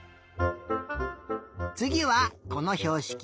つぎはこのひょうしき。